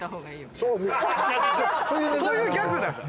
そういうギャグだから！